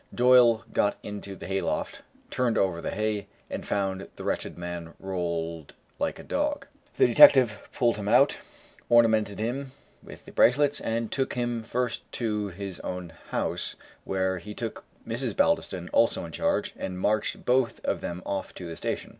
Doyle got into the hayloft, turned over the hay, and found the wretched man rolled like a dog. The detective pulled him out, ornamented him with the bracelets, and took him first to his own house, where he took Mrs. Baldiston also in charge, and marched both of them off to the station.